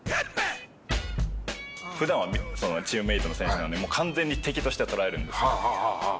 普段はチームメイトの選手なのに完全に敵として捉えるんです。